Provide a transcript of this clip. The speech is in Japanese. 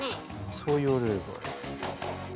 そう言われれば。